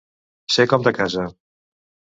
Ser com de casa.